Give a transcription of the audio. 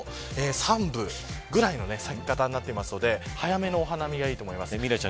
名古屋、大阪も三分ぐらいの咲き方になっているので早めのお花見がいいと思います。